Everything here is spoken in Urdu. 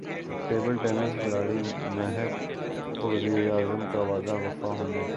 ٹیبل ٹینس کھلاڑی مہک کو وزیراعظم کا وعدہ وفا ہونے کا انتظار